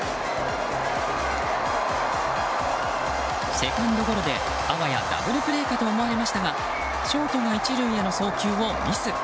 セカンドゴロで、あわやダブルプレーかと思われましたがショートが１塁への送球をミス。